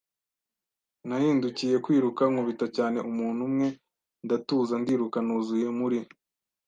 Nahindukiye kwiruka, nkubita cyane umuntu umwe, ndatuza, ndiruka nuzuye muri